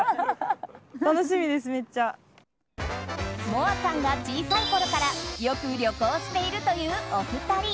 もあさんが小さいころからよく旅行しているという、お二人。